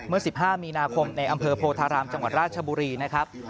เมื่อ๑๕มีนาคมในอำเภอโพธารามจังหวัดราชบุรีนะครับ